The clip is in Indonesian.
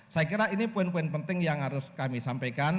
saya kira ini poin poin penting yang harus kami sampaikan